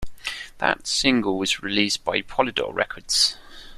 That single was released by Polydor Records.